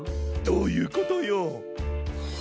どういうことよ。